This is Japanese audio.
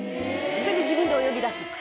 それで自分で泳ぎ出すの。